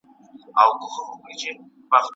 ¬ يو په ست ښه ايسي، بل په ننگ.